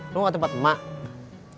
lu gak tempat emak